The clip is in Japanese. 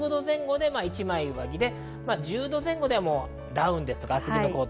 １５度前後で１枚上着で１０度前後でダウンですとか、厚手。